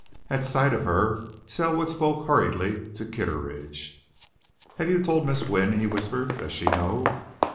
At sight of her Selwood spoke hurriedly to Kitteridge. "Have you told Miss Wynne?" he whispered. "Does she know?"